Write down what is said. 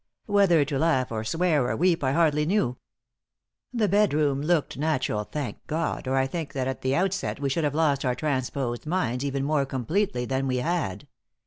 Whether to laugh or swear or weep I hardly knew. The bedroom looked natural, thank God, or I think that at the outset we should have lost our transposed minds even more completely than we had.